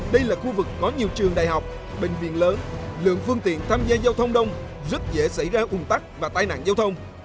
đây là khu vực có nhiều trường đại học bệnh viện lớn lượng phương tiện tham gia giao thông đông rất dễ xảy ra ủng tắc và tai nạn giao thông